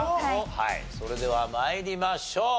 それでは参りましょう。